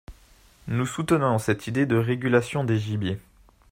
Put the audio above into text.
Nous soutenons cette idée de régulation des gibiers.